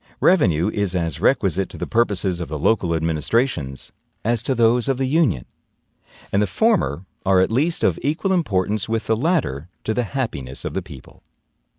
Revenue is as requisite to the purposes of the local administrations as to those of the Union; and the former are at least of equal importance with the latter to the happiness of the people.